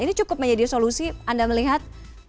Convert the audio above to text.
ini cukup menjadi solusi anda melihat